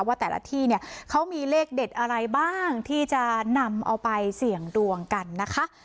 ว่าแต่ละที่เนี่ยเขามีเลขเด็ดอะไรบ้างที่จะนำเอาไปเสี่ยงดวงกันนะคะ